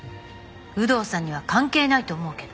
有働さんには関係ないと思うけど。